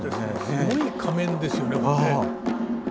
すごい仮面ですよねこれね。